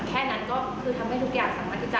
แค่นั้นก็คือทำให้ทุกอย่างสามารถที่จะ